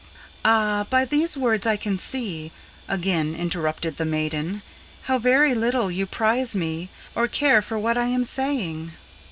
"Ah, by these words, I can see," again interrupted the maiden, "How very little you prize me, or care for what I am saying.